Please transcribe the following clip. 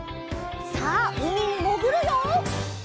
さあうみにもぐるよ！